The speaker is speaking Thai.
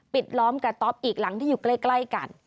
ล้อมกระต๊อบอีกหลังที่อยู่ใกล้กัน